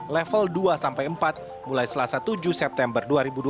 level dua sampai empat mulai selasa tujuh september dua ribu dua puluh